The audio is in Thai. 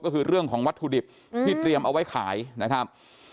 ก็คือเรื่องของวัตถุดิบที่เตรียมเอาไว้ขายนะครับ